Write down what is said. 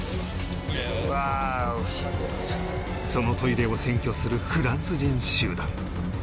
そのトイレを占拠するフランス人集団